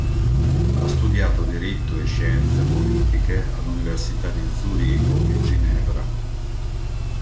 Ha studiato diritto e scienze politiche all'Università di Zurigo e Ginevra.